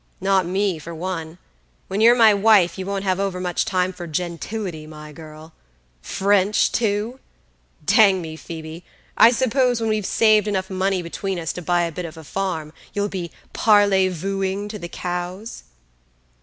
Not me, for one; when you're my wife you won't have overmuch time for gentility, my girl. French, too! Dang me, Phoebe, I suppose when we've saved money enough between us to buy a bit of a farm, you'll be parleyvooing to the cows?"